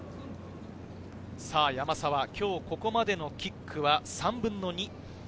山沢、今日のここまでのキックは３分の２。